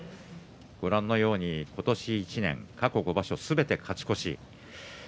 ご覧のように今年１年過去５場所すべて勝ち越し。